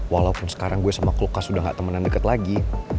walaupun sekarang gue sama kulkas udah gak temenan deket lagi